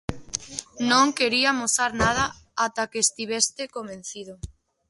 Non quería amosar nada ata que estivese convencido.